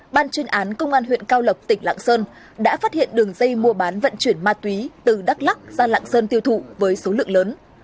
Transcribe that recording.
ban chuyên án công an huyện cao lộc tỉnh lạng sơn đã phát hiện đường dây mua bán vận chuyển ma túy từ đắk lắc ra lạng sơn tiêu thụ với số lượng lớn